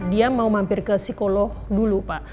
dia mau mampir ke psikolog dulu pak